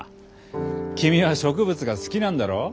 君は植物が好きなんだろう？